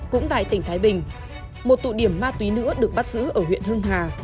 cũng tại tỉnh thái bình một tụ điểm ma túy nữa được bắt giữ ở huyện hưng hà